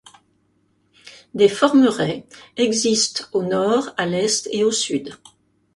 Des formerets existent au nord, à l'est et au sud.